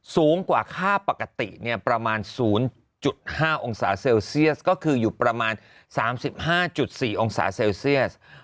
สูงกว่าค่าปกติประมาณ๐๕องศาเซลเซียสก็คืออยู่ประมาณ๓๕๔องศาเซลเซียส